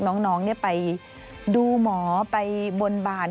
น้องไปดูหมอไปบนบาน